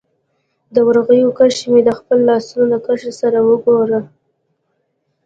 د ورغوي کرښي مي د خپلو لاسونو د کرښو سره وګوره